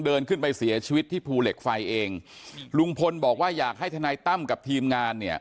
เดินขึ้นไปเสียชีวิตที่ภูเหล็กไฟเองลุงพลบอกว่าอยากให้ทนายตั้มกับทีมงานเนี่ย